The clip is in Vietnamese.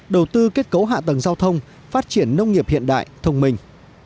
đầu tư kết cấu hạ tầng giao thông phát triển nông nghiệp hiện đại thông minh